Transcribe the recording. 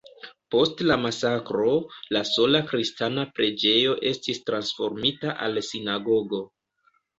Post la masakro, la sola kristana preĝejo estis transformita al sinagogo.